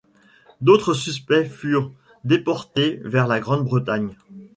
D’autres suspects furent déportés vers la Grande-Bretagne.